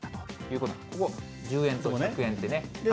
ここ、１０円と１００円ってね。